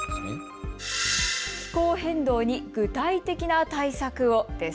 気候変動に具体的な対策をです。